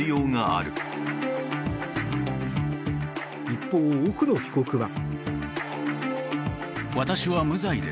一方、奥野被告は。